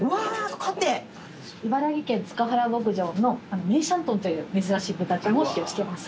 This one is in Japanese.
茨城県塚原牧場の梅山豚という珍しい豚ちゃんを使用してます。